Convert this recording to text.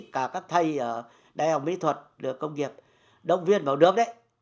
cả các thầy ở đại học mỹ thuật được công nghiệp động viên vào nước đấy